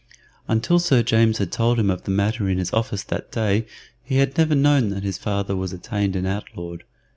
Until Sir James had told him of the matter in his office that day he had never known that his father was attainted and outlawed.